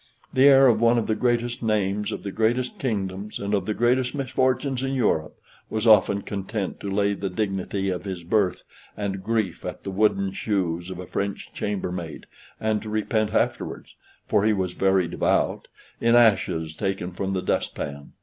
The heir of one of the greatest names, of the greatest kingdoms, and of the greatest misfortunes in Europe, was often content to lay the dignity of his birth and grief at the wooden shoes of a French chambermaid, and to repent afterwards (for he was very devout) in ashes taken from the dust pan.